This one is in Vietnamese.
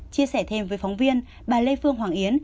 chia sẻ thêm với phóng viên bà lê phương hoàng yến